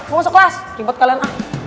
gue masuk kelas ribet kalian ah